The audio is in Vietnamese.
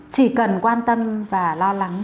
chỉ cần quan tâm và lo lắng